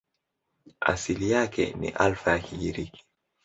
Asili yake ni Alfa ya Kigiriki.